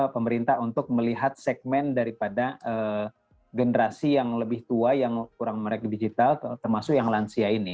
pemerintah untuk melihat segmen daripada generasi yang lebih tua yang kurang merek digital termasuk yang lansia ini